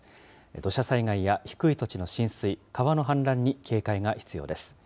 土砂災害や低い土地の浸水、川の氾濫に警戒が必要です。